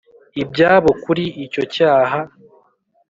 ibyabo kuri icyo cyaha